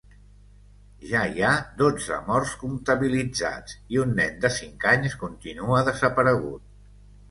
Ja hi ha dotze morts comptabilitzats i un nen de cinc anys continua desaparegut.